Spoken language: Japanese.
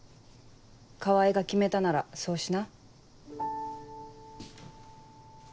川合が決めたならそうしな。